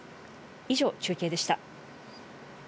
以上、中継でした。